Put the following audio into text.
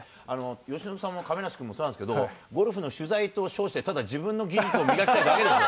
由伸さんも亀梨君もそうなんですけど、取材を通して、ただ自分の技術を磨きたいだけでしょう。